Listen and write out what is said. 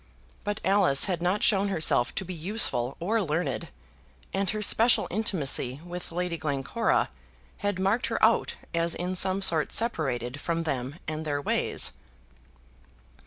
But Alice had not shown herself to be useful or learned, and her special intimacy with Lady Glencora had marked her out as in some sort separated from them and their ways.